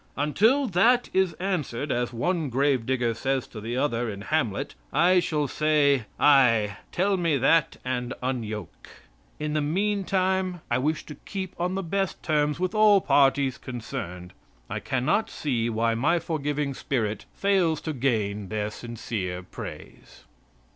Until that is answered, as one grave digger says to the other in "Hamlet," I shall say: 'Ay, tell me that and unyoke.' In the meantime, I wish to keep on the best terms with all parties concerned. I cannot see why my forgiving spirit fails to gain their sincere praise."